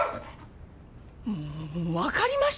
もう分かりましたって。